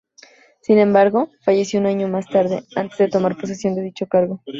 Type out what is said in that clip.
Sin embargo, falleció un año más tarde, antes de tomar posesión de dicho cargo.